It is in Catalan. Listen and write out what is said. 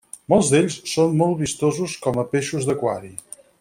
Molts d'ells són molt vistosos com a peixos d'aquari.